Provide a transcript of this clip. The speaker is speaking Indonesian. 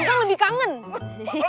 bapak lebih kangen lagi